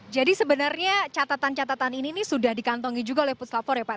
jadi sebenarnya catatan catatan ini sudah dikantongi juga oleh puslavor ya pak